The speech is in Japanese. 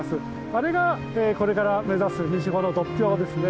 あれがこれから目指す西穂の独標ですね。